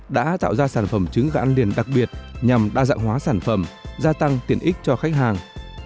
đã tạo ra sản phẩm trứng gà ăn liền đặc biệt nhằm đa dạng hóa sản phẩm gia tăng tiện ích cho khách hàng